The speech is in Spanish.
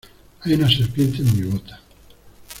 Hay una serpiente en mi bota.